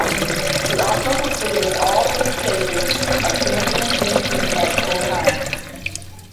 She also completed all three stages of Kandyan dancing at school times.